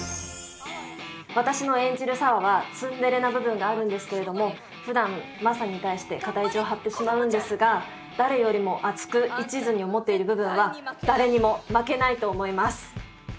私の演じる沙和はツンデレな部分があるんですけれどもふだんマサに対して片意地を張ってしまうんですが誰よりも熱くいちずに思っている部分は誰にも負けないと思います。